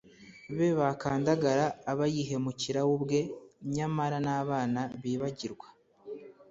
be bakandagara, aba yihemukira we bwe. nyamara n'abana bibagirwa